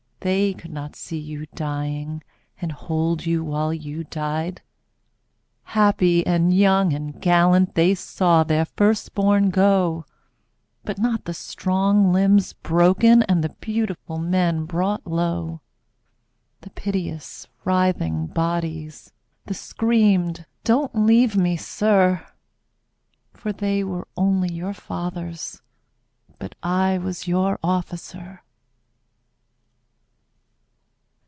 They could not see you dying. And hold you while you died. Happy and young and gallant, They saw their first bom go, 41 But not the strong limbs broken And the beautiful men brought low, The piteous writhing bodies, The screamed, " Don't leave me, Sir," For they were only your fathers But I was your officer.